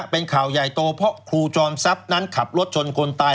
เป็นข่าวใหญ่โตเพราะครูจอมทรัพย์นั้นขับรถชนคนตาย